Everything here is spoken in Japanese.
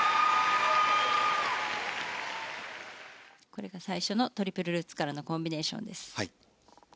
これが最初のトリプルルッツからのコンビネーションです。